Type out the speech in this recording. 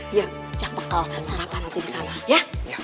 iya cak bekal sarapan nanti di sana ya